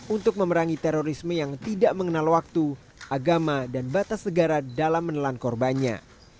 untuk memerangi terorisme yang tidak mengenal waktu agama dan batas negara dalam menelan korbannya